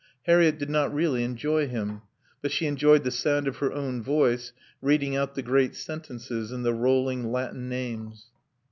Harriett did not really enjoy him; but she enjoyed the sound of her own voice reading out the great sentences and the rolling Latin names.